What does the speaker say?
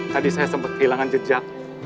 tadi saya sempat kehilangan jejak